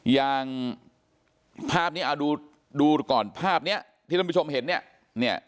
อย่างภาพนี้เอาดูก่อนภาพนี้ที่ท่านผู้ชมเห็นเนี่ย